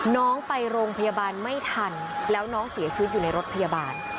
น้องไปโรงพยาบาลไม่ทันแล้วน้องเสียชีวิตอยู่ในรถพยาบาล